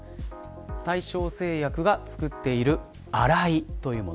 大正製薬が作っているアライというもの。